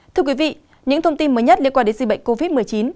thưa quý vị những thông tin mới nhất liên quan đến dịch bệnh covid một mươi chín